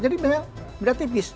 jadi mereka tipis